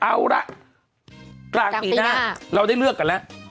เอาละกลางปีหน้าเราได้เลือกกันแล้ว